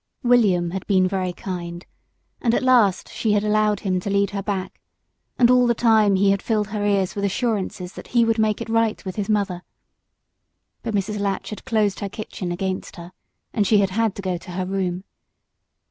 However, he had been kind, and at last she had allowed him to lead her back, and all the time he had filled her ears with assurances that he would make it all right with his mother. But Mrs. Latch had closed her kitchen against her, and she had had to go to her room.